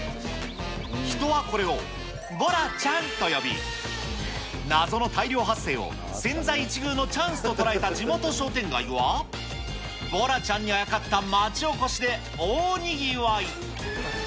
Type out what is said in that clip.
人はこれを、ボラちゃんと呼び、謎の大量発生を千載一遇のチャンスと捉えた地元商店街は、ボラちゃんにあやかった町おこしで大にぎわい。